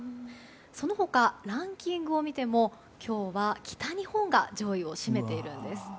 その他、ランキングを見ても今日は北日本が上位を占めているんです。